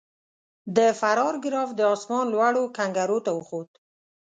د فرار ګراف د اسمان لوړو کنګرو ته وخوت.